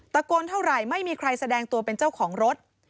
โกนเท่าไหร่ไม่มีใครแสดงตัวเป็นเจ้าของรถ